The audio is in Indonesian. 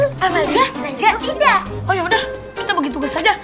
oh yaudah kita bagi tugas aja